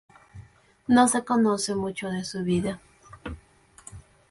No se conoce mucho de su vida.